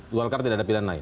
golkar tidak ada pilihan lain